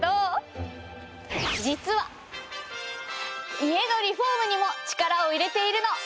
実は家のリフォームにも力を入れているの！